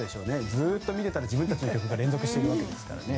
ずっと自分たちの曲が連続しているわけですからね。